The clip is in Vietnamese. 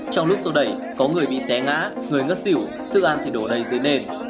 trong lúc sô đẩy có người bị té ngã người ngất xỉu thức ăn thì đổ đầy dưới nền